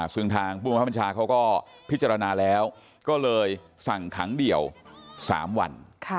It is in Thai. ซึ่งทางผู้บังคับบัญชาเขาก็พิจารณาแล้วก็เลยสั่งขังเดี่ยว๓วัน